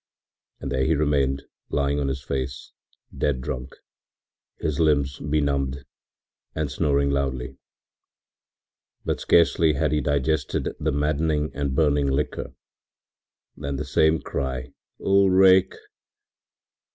And there he remained lying on his face, dead drunk, his limbs benumbed, and snoring loudly. But scarcely had he digested the maddening and burning liquor than the same cry, “Ulrich!